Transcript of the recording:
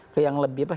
ke yang lebih apa